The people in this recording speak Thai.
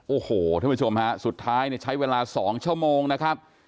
โอ้โหท่านผู้ชมฮะสุดท้ายเนี่ยใช้เวลา๒ชั่วโมงนะครับ